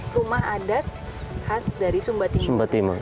rumah adat khas dari sumba timur